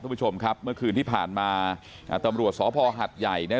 คุณผู้ชมครับเมื่อคืนที่ผ่านมาตำรวจสพหัดใหญ่เนี่ย